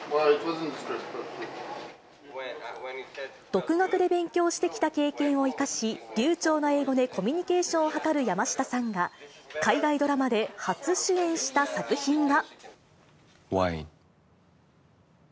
独学で勉強してきた経験を生かし、流ちょうな英語でコミュニケーションを図る山下さんが、海外ドラマで初主演した作品が。